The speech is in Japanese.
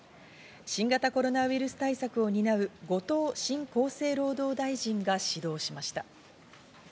新型コロナウイルス対策を担う後藤新厚生労働大臣が始動しました。